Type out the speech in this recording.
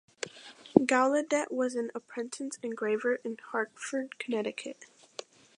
Gallaudet was an apprentice engraver in Hartford Connecticut.